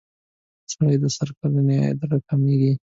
سړي سر کلنی عاید را کمیږی.